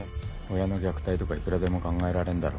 親の虐待とかいくらでも考えられんだろ。